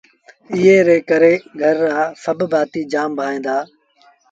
ايئي ري ڪري گھر رآ سڀ ڀآتيٚ جآم ڀائيٚݩ دآ